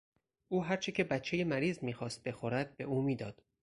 او هرچه که بچهی مریض میخواست بخورد به او میداد.